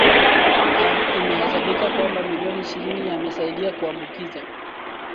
a imehesabika kwamba milioni ishirini yamesaidia kuambukiza